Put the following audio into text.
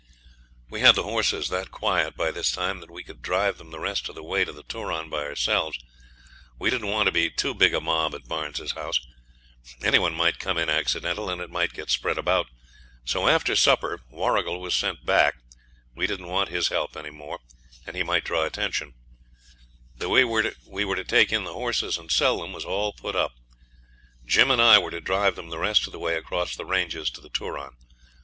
We had the horses that quiet by this time that we could drive them the rest of the way to the Turon by ourselves. We didn't want to be too big a mob at Barnes's house. Any one might come in accidental, and it might get spread about. So after supper Warrigal was sent back; we didn't want his help any more, and he might draw attention. The way we were to take in the horses, and sell them, was all put up. Jim and I were to drive them the rest of the way across the ranges to the Turon.